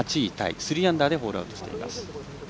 ３アンダーでホールアウトしてます。